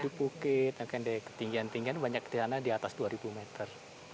di bukit akan ada ketinggian tinggian banyak di atas dua ribu meter